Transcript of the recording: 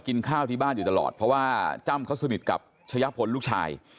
กินข้าวที่บ้านอยู่ตลอดเพราะว่าจ้ำเขาสนิทกับชะยะพลลูกชาย